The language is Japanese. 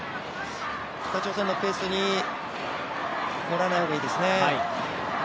北朝鮮のペースにのらない方がいいですね。